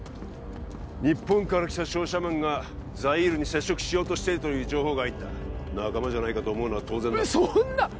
日本から来た商社マンがザイールに接触しようとしているという情報が入った仲間じゃないかと思うのは当然だろそんな！